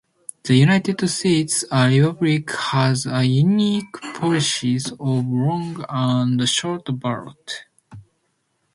The United States, a republic, has a unique politics of long and short ballot.